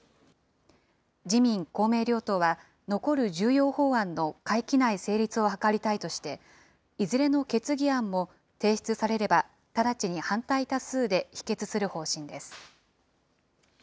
自民、公明両党は残る重要法案の会期内成立を図りたいとして、いずれの決議案も提出されれば直ちに反対多数で否決する方針です。